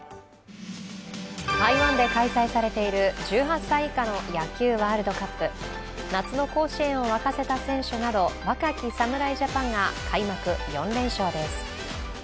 台湾で開催されている１８歳以下の野球ワールドカップ。夏の甲子園を沸かせた選手など若き侍ジャパンが開幕４連勝です。